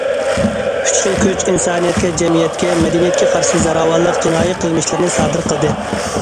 ‹‹ ئۈچ خىل كۈچ›› ئىنسانىيەتكە، جەمئىيەتكە، مەدەنىيەتكە قارشى زوراۋانلىق جىنايى قىلمىشلىرىنى سادىر قىلدى.